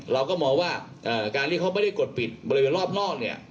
เราก็มองว่าการที่เขาไม่ได้กดปิดบริเวณรอบนอกเนี่ย